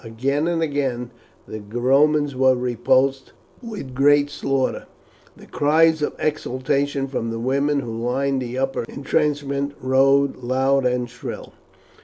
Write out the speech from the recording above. Again and again the Romans were repulsed with great slaughter, the cries of exultation from the women who lined the upper intrenchment rose loud and shrill.